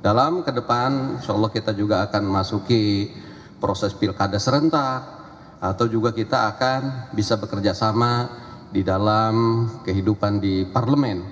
dalam ke depan insya allah kita juga akan masuki proses pilkada serentak atau juga kita akan bisa bekerja sama di dalam kehidupan di parlemen